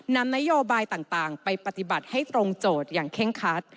นำนโยบายต่างไปปฏิบัติให้ตรงโจทย์อย่างเคร่งคัด